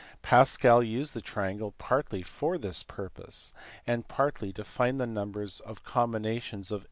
Pascal used the triangle partly for this purpose and partly to find the numbers of combinations of